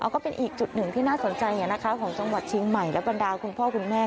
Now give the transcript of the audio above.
ก็เป็นอีกจุดหนึ่งที่น่าสนใจของจังหวัดเชียงใหม่และบรรดาคุณพ่อคุณแม่